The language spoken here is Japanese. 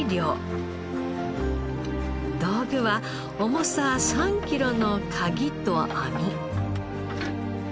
道具は重さ３キロのカギと網。